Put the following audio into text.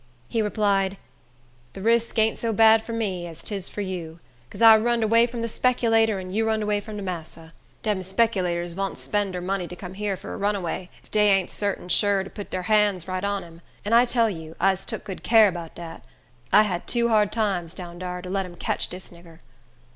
He replied, "De risk ain't so bad for me, as 'tis fur you. 'Cause I runned away from de speculator, and you runned away from de massa. Dem speculators vont spen dar money to come here fur a runaway, if dey ain't sartin sure to put dar hans right on him. An I tell you I's tuk good car 'bout dat. I had too hard times down dar, to let 'em ketch dis nigger."